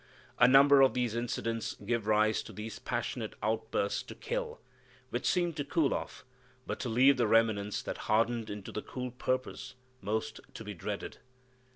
A number of these incidents give rise to these passionate outbursts to kill, which seem to cool off, but to leave the remnants that hardened into the cool purpose most to be dreaded.